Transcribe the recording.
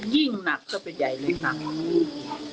ยิ่งหนักก็เป็นใหญ่เลยค่ะ